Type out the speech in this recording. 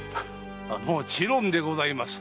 もちろんでございます。